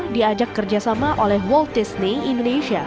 diajak kerjasama oleh world disney indonesia